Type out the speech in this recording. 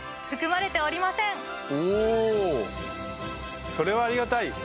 おぉそれはありがたい！